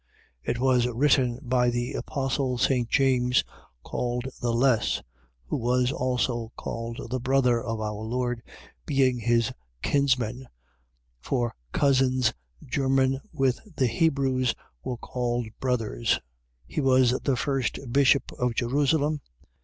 It was written by the apostle St. James, called the Less, who was also called the brother of our Lord, being his kinsman (for cousins german with the Hebrews were called brothers). He was the first Bishop of Jerusalem.